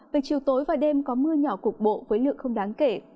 về chiều tối và đêm có mưa nhỏ cục bộ với lượng không đáng kể